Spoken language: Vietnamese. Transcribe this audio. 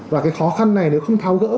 và cái khó khăn này nếu không thao gỡ